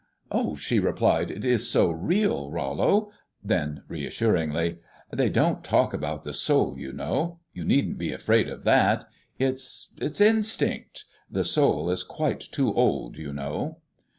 "Oh," she replied, "it's so real, Rollo." Then, reassuringly, "They don't talk about the soul, you know you needn't be afraid of that. It's it's instinct. The soul is quite too old, you know."